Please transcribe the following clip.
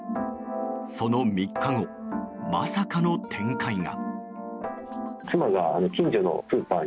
その３日後、まさかの展開が。